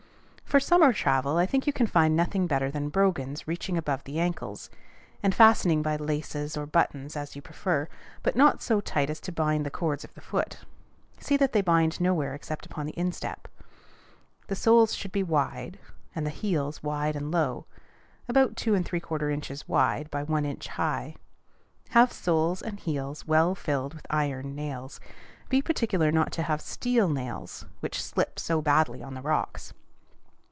For summer travel, I think you can find nothing better than brogans reaching above the ankles, and fastening by laces or buttons as you prefer, but not so tight as to bind the cords of the foot. See that they bind nowhere except upon the instep. The soles should be wide, and the heels wide and low (about two and three quarter inches wide by one inch high); have soles and heels well filled with iron nails. Be particular not to have steel nails, which slip so badly on the rocks.